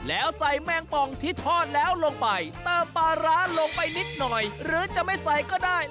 แล้วใส่แมงปองที่ทอดแล้วลงไปเติมปลาร้าลงไปนิดหน่อยหรือจะไม่ใส่ก็ได้